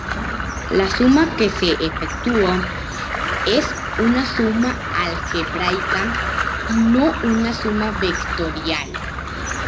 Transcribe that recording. La suma que se efectúa es una suma algebraica y no una suma vectorial.